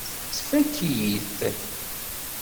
Tfakk-iyi-t.